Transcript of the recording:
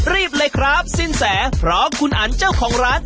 รีบเลยครับสินแสพร้อมคุณอันเจ้าของร้าน